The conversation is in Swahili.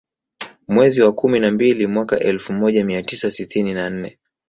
Mwezi wa kumi na mbili mwaka Elfu moja mia tisa sitini na nne